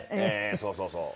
そうそうそう。